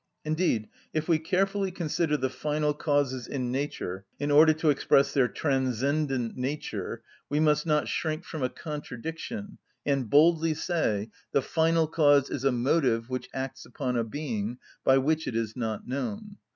Indeed, if we carefully consider the final causes in nature in order to express their transcendent nature, we must not shrink from a contradiction, and boldly say: the final cause is a motive which acts upon a being, by which it is not known.